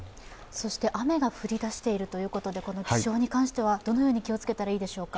雨が降りだしているということで、気象に関してはどのように気をつけたらいいでしょうか？